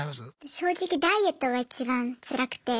正直ダイエットがいちばんつらくて。